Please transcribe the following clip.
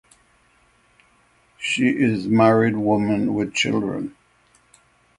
She is married woman with children.